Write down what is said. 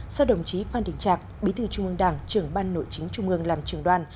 do đồng chí phan đình trạc bí thư trung mương đảng trưởng ban nội chính trung mương làm trường đoàn